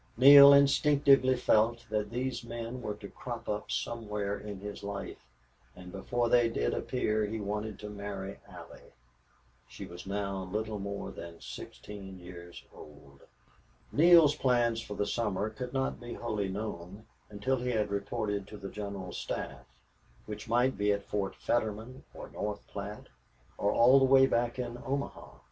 Neale instinctively felt that these men were to crop up somewhere in his life, and before they did appear he wanted to marry Allie. She was now little more than sixteen years old. Neale's plans for the summer could not be wholly known until he had reported to the general staff, which might be at Fort Fetterman or North Platte or all the way back in Omaha.